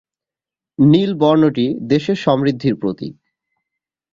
নীল বর্ণটি দেশের সমৃদ্ধির প্রতীক।